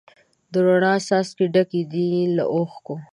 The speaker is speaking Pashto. د روڼا څاڅکي ډک دي له اوښکو